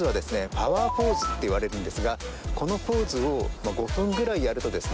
パワーポーズっていわれるんですがこのポーズを５分ぐらいやるとですね